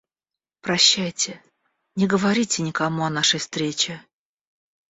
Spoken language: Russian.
Прощайте, не говорите никому о нашей встрече.